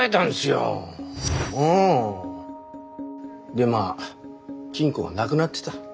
でまあ金庫が無くなってた。